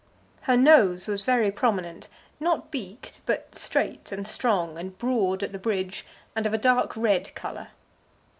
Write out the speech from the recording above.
Her nose was very prominent, not beaked, but straight and strong, and broad at the bridge, and of a dark red colour.